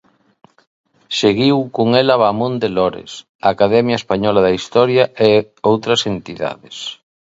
Seguiu con ela Vaamonde Lores, a Academia Española da Historia e outras entidades.